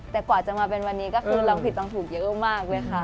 แต่กว่าจะมาเป็นวันนี้ก็คือเราผิดตังค์ถูกเยอะมาก